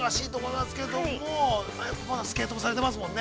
まだスケートされてますもんね。